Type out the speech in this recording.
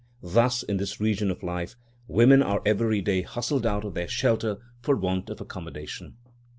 Thus, in this region of life, women are every day hustled out of their shelter for want of accommodation.